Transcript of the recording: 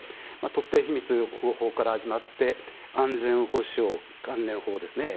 特定秘密保護法から始まって安全保障関連法ですね。